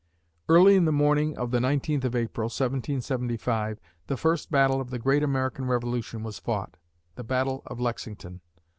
Early in the morning of the 19th of April, 1775, the first battle of the great American Revolution was fought (the Battle of Lexington).